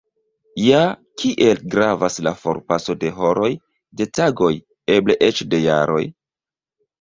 Ja, kiel gravas la forpaso de horoj, de tagoj, eble eĉ de jaroj?